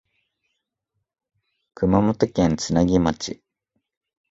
熊本県津奈木町